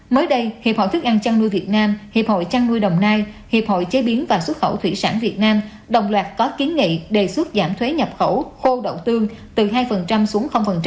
mới đây hiệp hội thức ăn chăn nuôi việt nam hiệp hội chăn nuôi đồng nai hiệp hội chế biến và xuất khẩu thủy sản việt nam đồng loạt có kiến nghị đề xuất giảm thuế nhập khẩu khô đậu tương từ hai xuống